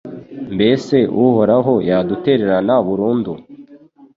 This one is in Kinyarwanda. Mbese Uhoraho yadutererana burundu